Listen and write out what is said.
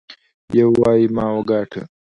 يو وايي ما وګاټه.